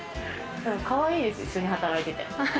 かわいいです、一緒に働いてて。